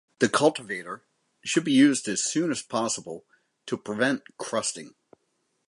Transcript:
The cultivator should be used as soon as possible to prevent crusting.